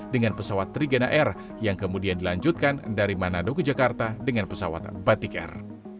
dengan pesawat trigana air yang kemudian dilanjutkan dari manado ke jakarta dengan pesawat batik air